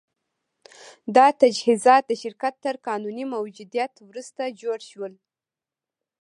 دا تجهیزات د شرکت تر قانوني موجودیت وروسته جوړ شول